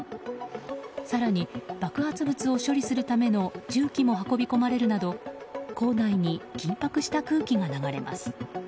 更に爆発物を処理するための重機も運び込まれるなど校内に緊迫した空気が流れます。